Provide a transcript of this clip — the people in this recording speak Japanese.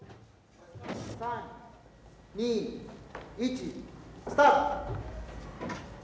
３２１スタート。